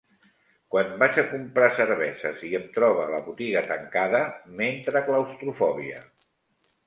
Quan vaig a comprar cerveses i em trobe la botiga tancada, m'entra claustrofòbia.